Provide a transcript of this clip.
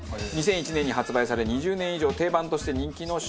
２００１年に発売され２０年以上定番として人気の商品。